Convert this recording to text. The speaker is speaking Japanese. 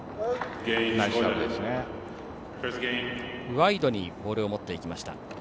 ワイドにボールを打っていきました。